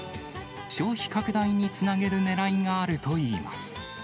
消費拡大につなげるねらいがあるといいます。